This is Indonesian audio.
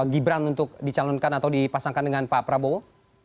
gibran untuk dicalonkan atau dipasangkan dengan pak prabowo